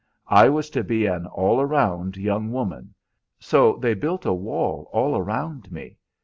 I was to be an all around young woman; so they built a wall all around me.